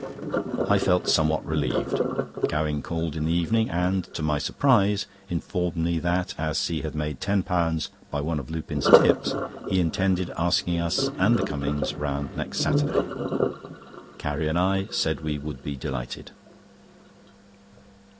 I felt somewhat relieved. Gowing called in the evening and, to my surprise, informed me that, as he had made £10 by one of Lupin's tips, he intended asking us and the Cummings round next Saturday. Carrie and I said we should be delighted.